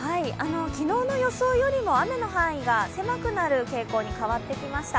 昨日の予想よりも雨の範囲が狭くなる傾向に代わってきました。